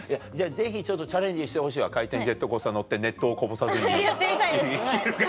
ぜひチャレンジしてほしいわ回転ジェットコースター乗って熱湯をこぼさずに行けるか。